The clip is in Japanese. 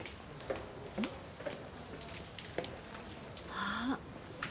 あっ。